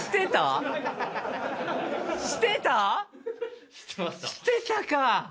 してたか。